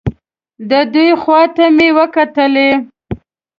د دوی خوا ته مې وکتلې.